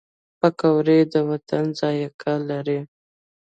پکورې د وطن ذایقه لري